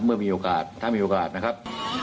เมื่อมีโอกาสถ้ามีโอกาสนะครับ